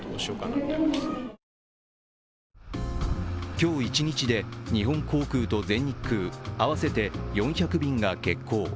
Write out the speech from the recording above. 今日一日で日本航空と全日空、合わせて４００便が欠航。